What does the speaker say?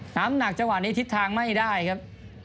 น้ำหนักจังหวะนี้ทิศทางไม่ได้ครับ